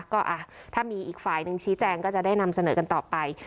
ก็ถ้ามีอีกฝ่ายหนึ่งชี้แจงก็จะได้นำเสนอกันต่อไป